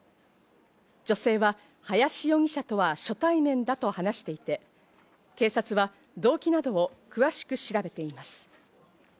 女性は林容疑者とは初対面だと話していて、警察は動機などを詳しく調べています。